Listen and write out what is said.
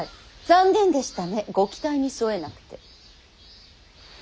残念でしたねご期待に沿えなくて。